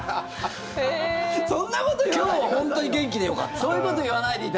今日は本当に元気でよかった。